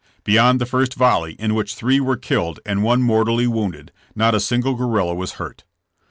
Be yond the first volley, in which three were killed and one mortally wounded, not a single guerrilla was hurt.